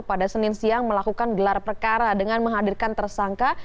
pada senin siang melakukan gelar perkara dengan menghadirkan tersangka